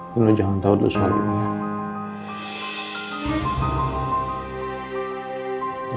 nino jangan tahu dulu soal ini